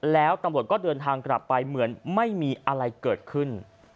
แล้วตำรวจก็เดินทางกลับไปเหมือนไม่มีอะไรเกิดขึ้น